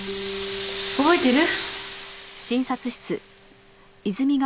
覚えてる？